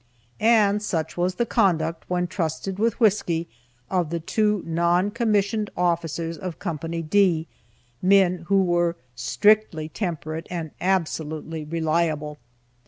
And such was the conduct, when trusted with whisky, of the two non commissioned officers of Co. D, "men who were strictly temperate and absolutely reliable."